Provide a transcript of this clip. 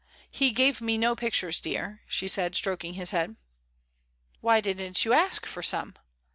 "He gave me no pictures, dear," she said, stroking his head. "Why didn't you ask for some?"